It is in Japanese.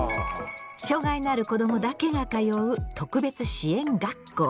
障害のある子どもだけが通う「特別支援学校」。